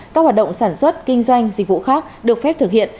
các hoạt động sản xuất kinh doanh dịch vụ khác được phép thực hiện